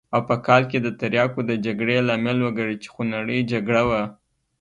او په کال کې د تریاکو د جګړې لامل وګرځېد چې خونړۍ جګړه وه.